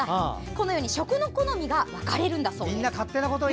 このように食の好みが分かれるんだそうです。